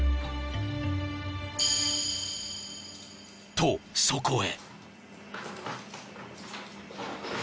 ［とそこへ］